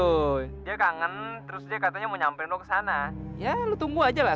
loh dia kangen terus dia katanya me nyamperin kesana ya lu tunggu ajalah